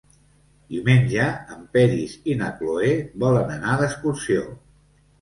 Diumenge en Peris i na Cloè volen anar d'excursió.